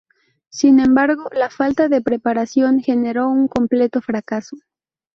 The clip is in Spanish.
Sin embargo, la falta de preparación generó un completo fracaso.